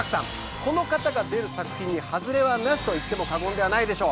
この方が出る作品にハズレはなしと言っても過言ではないでしょう。